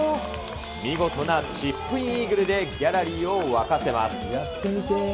見事なチップインイーグルでギャラリーを沸かせます。